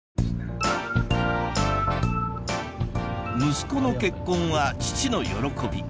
息子の結婚は父の喜び